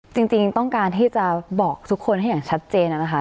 จริงต้องการที่จะบอกทุกคนให้อย่างชัดเจนนะคะ